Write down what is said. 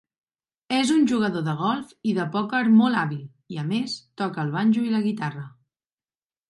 És un jugador de golf i de pòquer molt hàbil, i a més toca el banjo i la guitarra.